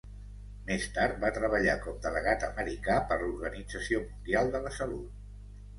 Més tard va treballar com delegat americà per l"Organització Mundial de la Salut.